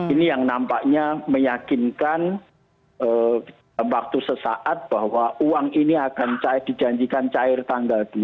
ini yang nampaknya meyakinkan waktu sesaat bahwa uang ini akan dijanjikan cair tanggal dua